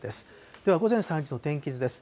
では午前３時の天気図です。